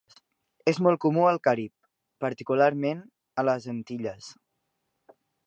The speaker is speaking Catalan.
És molt comú al Carib, particularment a les Antilles.